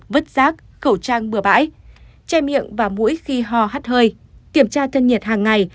vứt rác khẩu trang bừa bãi che miệng và mũi khi ho hắt hơi kiểm tra thân nhiệt hàng ngày